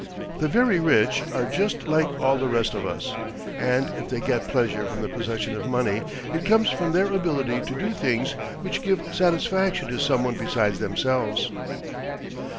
The very rich are just like all the rest of us; and if they get pleasure from the possession of money, it comes from their ability to do things which give satisfaction to someone besides themselves.